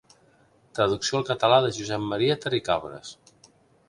Traducció al català de Josep Maria Terricabras.